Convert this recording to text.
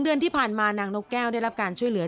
เดือนที่ผ่านมานางนกแก้วได้รับการช่วยเหลือ